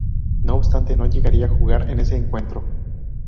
No obstante, no llegaría a jugar en ese encuentro.